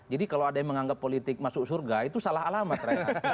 jadi kalau ada yang menganggap politik masuk surga itu salah alamat rayang